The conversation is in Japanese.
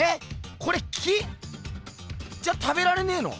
これ木？じゃ食べられねぇの？